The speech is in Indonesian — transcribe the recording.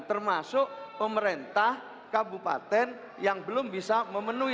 termasuk pemerintah kabupaten yang belum bisa memenuhi